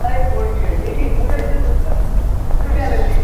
এরই মধ্যে আবার একসঙ্গে চার তরুণ নিখোঁজের ঘটনা সংশ্লিষ্ট সবাইকে ভাবিয়ে তুলেছে।